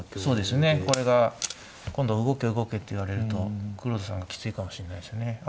そうですねこれが今度動け動けって言われると黒田さんがきついかもしれないですね。